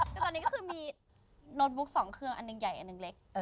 แต่ตอนนี้ก็คือมีโน้ตบุ๊ก๒เครื่องอันหนึ่งใหญ่อันหนึ่งเล็ก